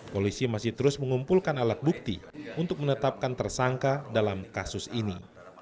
polisi masih terus mengumpulkan alat bukti untuk menetapkan tersangka dalam kasus ini